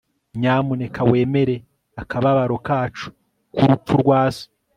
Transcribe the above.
nyamuneka wemere akababaro kacu k'urupfu rwa so